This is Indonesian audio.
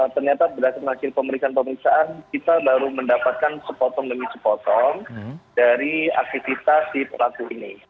ternyata berdasarkan hasil pemeriksaan pemeriksaan kita baru mendapatkan sepotong demi sepotong dari aktivitas si pelaku ini